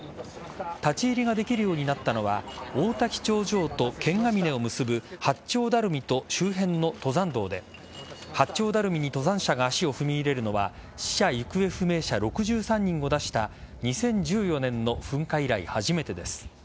立ち入りができるようになったのは王滝頂上と剣ヶ峰を結ぶ八丁ダルミと周辺の登山道で八丁ダルミに登山者が足を踏み入れるのは死者・行方不明者６３人を出した２０１４年の噴火以来初めてです。